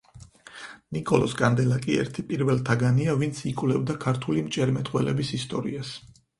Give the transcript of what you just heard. ნიკოლოზ კანდელაკი ერთი პირველთაგანია, ვინც იკვლევდა ქართული მჭერმეტყველების ისტორიას.